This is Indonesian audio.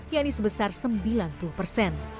yakni sebesar sembilan puluh persen